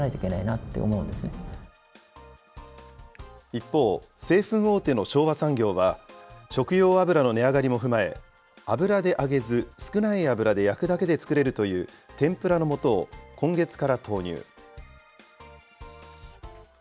一方、製粉大手の昭和産業は、食用油の値上がりも踏まえ、油で揚げず少ない油で焼くだけで作れるという天ぷらのもとを今月から投入。